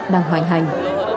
đang hoành hành